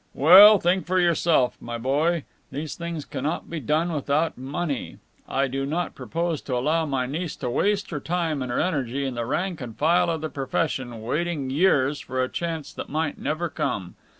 "Well, think for yourself, my boy! These things cannot be done without money. I do not propose to allow my niece to waste her time and her energy in the rank and file of the profession, waiting years for a chance that might never come.